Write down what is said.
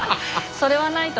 それはないな。